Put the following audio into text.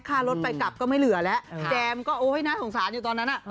ค่ารถไปกลับก็ไม่เหลือแล้วแจมก็โอ๊ยน่าสงสารอยู่ตอนนั้น